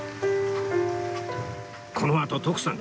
このあと徳さん